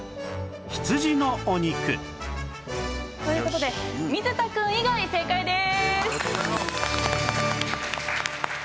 羊のお肉という事で水田くん以外正解です！